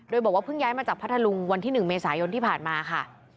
โดยบอกว่าเพิ่งย้ายมาจากพัทธลุงวันที่๑เมษายนที่ผ่านมาค่ะ